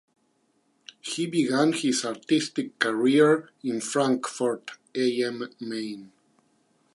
He began his artistic career in Frankfurt am Main.